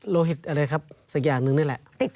โลหิตอะไรครับสักอย่างหนึ่งนี่แหละ